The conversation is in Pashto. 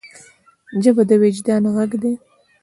ژبه د وجدان ږغ ده.